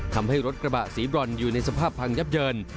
ทำให้รถกระบะสีบรอนอยู่ในสภาพพังยับเยิน